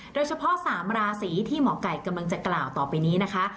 ๓ราศีที่หมอไก่กำลังจะกล่าวต่อไปนี้นะคะ